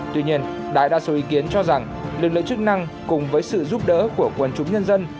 tuy nhiên đại đa số ý kiến cho rằng lực lượng chức năng cùng với sự giúp đỡ của quần chúng nhân dân